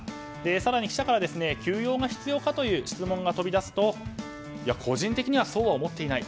更に記者から休養が必要かという質問が飛び出すと個人的にはそうは思っていない。